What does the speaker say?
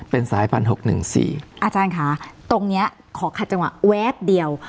เป็นสายพันหก๑๔อาจารย์ค่ะตรงนี้ขอขัดจังหวะแวบเดียว